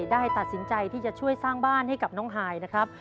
ได้ตัดสินใจที่จะช่วยสร้างบ้านให้กับน้องฮายนะครับ